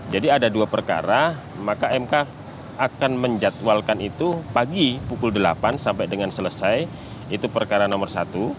jadi ada dua perkara maka mk akan menjatuhalkan itu pagi pukul delapan sampai dengan selesai itu perkara nomor satu